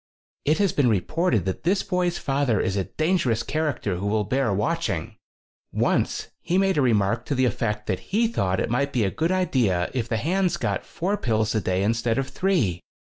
"It has been reported that this boy's father is a dangerous character who will bear watching. Once he made a remark to the effect that he thought it might be a good idea if the hands got four pills a day instead of three.